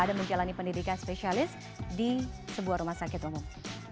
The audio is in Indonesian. dan menjalani pendidikan spesialis di sebuah rumah sakit umum